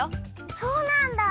そうなんだ！